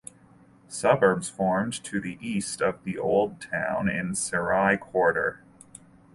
Suburbs formed to the east of the old town in Serai Quarter.